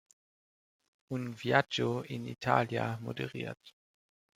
Un viaggio in Italia" moderiert.